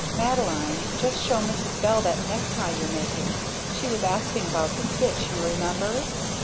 Madeline just show Mrs. Bell that necktie you're making she was asking about the stitch, you remember."